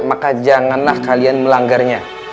maka janganlah kalian melanggarnya